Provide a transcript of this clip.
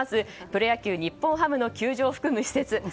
プロ野球日本ハムの球場を含む施設